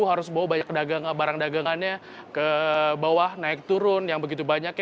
harus bawa banyak barang dagangannya ke bawah naik turun yang begitu banyak